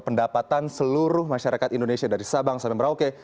pendapatan seluruh masyarakat indonesia dari sabang sampai merauke